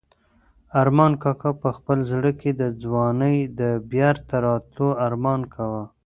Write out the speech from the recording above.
ارمان کاکا په خپل زړه کې د ځوانۍ د بېرته راتلو ارمان کاوه.